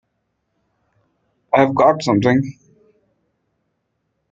I've got something!